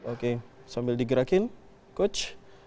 oke sambil digerakin coach